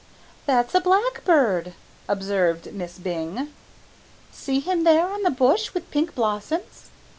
"That's a blackbird," observed Miss Byng; "see him there on the bush with pink blossoms.